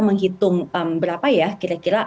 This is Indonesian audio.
menghitung berapa ya kira kira